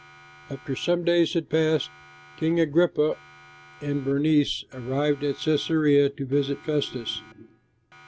After some days had passed, King Agrippa and Bernice arrived at Cæsarea to visit Festus.